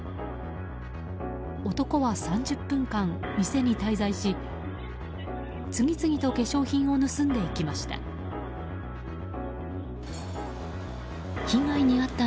男は３０分間、店に滞在し次々と化粧品を盗んでいきました。